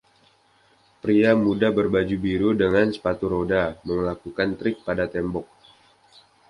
Pria muda berbaju biru dengan sepatu roda melakukan trik pada tembok.